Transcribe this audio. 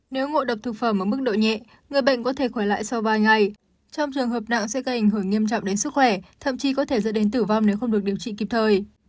nếu ngộ độc thực phẩm ở mức độ nhẹ người bệnh có thể khỏe lại sau vài ngày trong trường hợp nặng sẽ gây ảnh hưởng nghiêm trọng đến sức khỏe thậm chí có thể dẫn đến tử vong nếu không được điều trị kịp thời